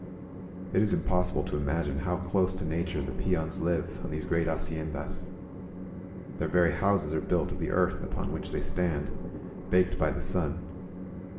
••• It is impossible to imagine how close to nature the peons live on these great haciendas. Their very houses are built of the earth upon which they stand, baked by the sun.